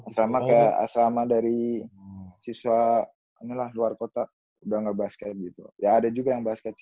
sama kayak asrama dari siswa inilah luar kota udah nggak basket gitu ya ada juga yang basket